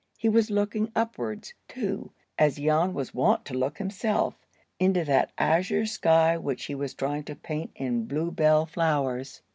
He was looking upwards, too, as Jan was wont to look himself, into that azure sky which he was trying to paint in bluebell flowers.